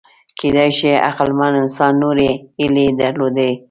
کېدای شي عقلمن انسان نورې هیلې درلودې.